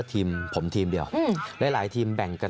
สามารถรู้ได้เลยเหรอคะ